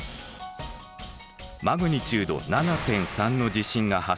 マグニチュード７．３の地震が発生。